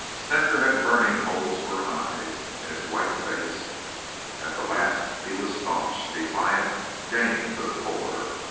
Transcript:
Snecker had burning holes for eyes in his white face. At the last he was staunch, defiant, game to the core.